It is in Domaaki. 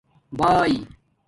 بائ